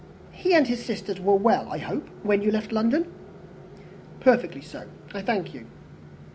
He and his sisters were well, I hope, when you left London?" "Perfectly so, I thank you."